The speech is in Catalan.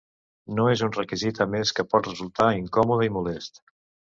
No és un requisit, a més que pot resultar incòmode i molest.